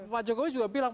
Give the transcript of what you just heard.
pak jokowi juga bilang